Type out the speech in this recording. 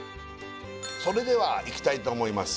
それではいきたいと思います